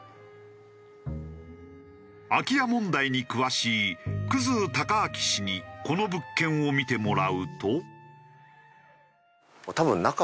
空き家問題に詳しい生貴昭氏にこの物件を見てもらうと。